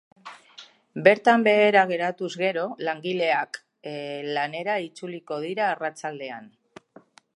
Bertan behera geratuz gero, langileak lanera itzuliko dira arratsaldean.